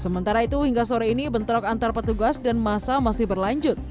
sementara itu hingga sore ini bentrok antar petugas dan masa masih berlanjut